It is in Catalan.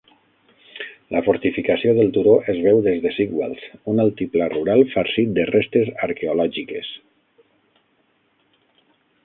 La fortificació del turó es veu des de Sigwells, un altiplà rural farcit de restes arqueològiques.